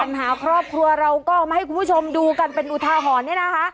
ครอบครัวเราก็เอามาให้คุณผู้ชมดูกันเป็นอุทาหรณ์เนี่ยนะคะ